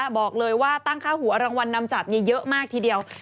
บอกเลยว่าตั้งค่าหัวรางวัลนำจับเยอะมากทีเดียว